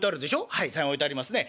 「はい３円置いてありますね」。